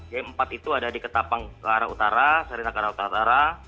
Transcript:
j empat itu ada di ketapang ke arah utara sarina ke arah utara